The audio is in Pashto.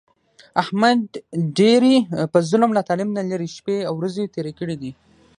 احمد ډېرې په ظلم، له تعلیم نه لرې شپې او ورځې تېرې کړې دي.